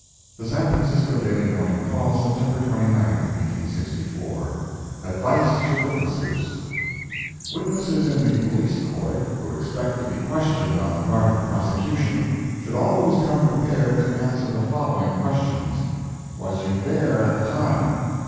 The San Francisco Daily Morning Call, September 29, 1864 ADVICE TO WITNESSES Witnesses in the Police Court, who expect to be questioned on the part of the prosecution, should always come prepared to answer the following questions: "Was you there, at the time?"